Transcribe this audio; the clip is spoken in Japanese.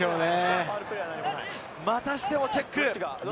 またしてもチェック。